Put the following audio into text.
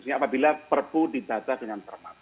apabila prpu ditajar dengan cermat